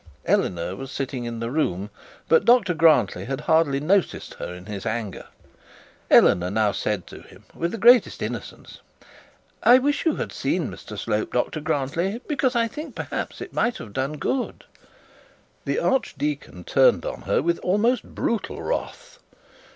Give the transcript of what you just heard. Eleanor was sitting in the room, but Dr Grantly had hardly noticed her in his anger. Eleanor now said to him, with the greatest innocence, 'I wish you had seen Mr Slope, Dr Grantly, because I think perhaps it might have done good.' The archdeacon turned on her with almost brutal wrath.